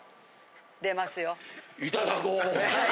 出ますよ。